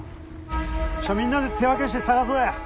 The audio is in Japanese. みんなで手分けして捜そうや。